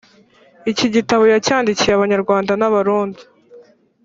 Iki gitabo yacyandikiye Abanyarwanda n’Abarundi